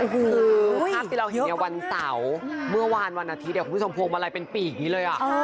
คือภาพที่เราเห็นในวันเสาร์เมื่อวานวันอาทิตย์เดี๋ยวคุณผู้ชมภวมมาลัยเป็นปลีกนี้เลยอะ